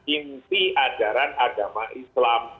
inti ajaran agama islam